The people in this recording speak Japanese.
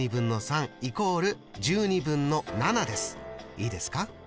いいですか？